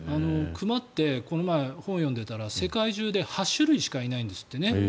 熊ってこの前、本を読んでいたら世界中で８種類しかいないんですってね。